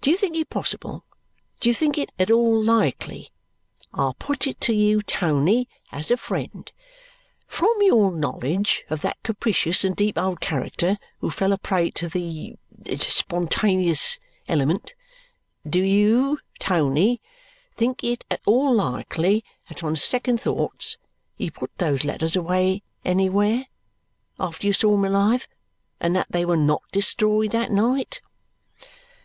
Do you think it possible, do you think it at all likely (I put it to you, Tony, as a friend), from your knowledge of that capricious and deep old character who fell a prey to the spontaneous element, do you, Tony, think it at all likely that on second thoughts he put those letters away anywhere, after you saw him alive, and that they were not destroyed that night?"